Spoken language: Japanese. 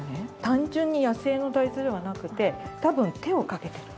単純に野生の大豆ではなくて多分手をかけてる。